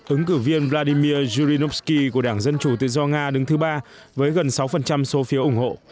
ứng cử viên vladimir zurinovsky của đảng dân chủ tự do nga đứng thứ ba với gần sáu số phiếu ủng hộ